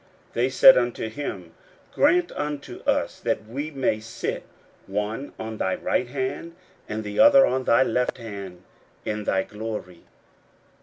41:010:037 They said unto him, Grant unto us that we may sit, one on thy right hand, and the other on thy left hand, in thy glory.